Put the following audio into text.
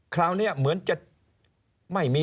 คราวนี้เหมือนจะไม่มี